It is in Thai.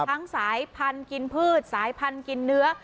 สายพันธุ์กินพืชสายพันธุ์กินเนื้อ